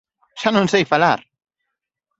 Xa non sei falar!